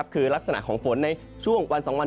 คือลักษณะของฝนในช่วงวัน๒วัน